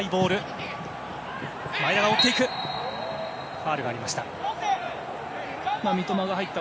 ファウルがありました。